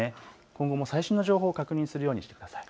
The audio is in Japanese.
今後も最新の情報を確認するようにしてください。